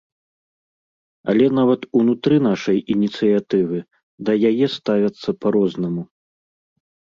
Але нават унутры нашай ініцыятывы да яе ставяцца па-рознаму.